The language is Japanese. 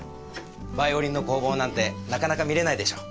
バイオリンの工房なんてなかなか見られないでしょう。